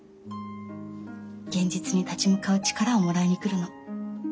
現実に立ち向かう力をもらいに来るの。